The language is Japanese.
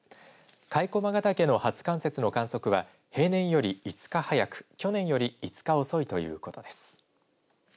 甲斐駒ヶ岳の初冠雪の観測は平年より５日早く去年より５日遅いということです。